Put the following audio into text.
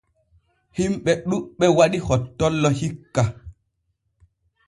Himɓe ɗuuɓɓe waɗi hottollo hikka.